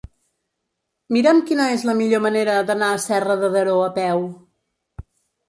Mira'm quina és la millor manera d'anar a Serra de Daró a peu.